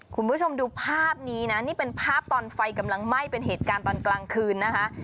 คุณผู้ชมดูภาพนี้นะนี่เป็นภาพตอนไฟกำลังไหม้เป็นเหตุการณ์ตอนกลางคืนนะคะ